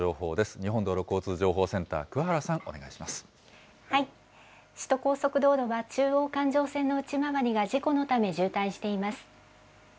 日本道路交通情報センター、くわ首都高速道路は中央環状線の内回りが事故のため渋滞しています。